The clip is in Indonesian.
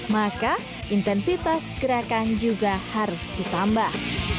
maka intensitas gerakan juga harus ditambah